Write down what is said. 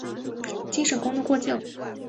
京沈公路过境。